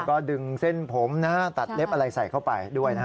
ก็ดึงเส้นผมตัดเล็บใส่เข้าไปด้วย